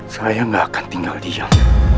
saya nggak akan tinggal diam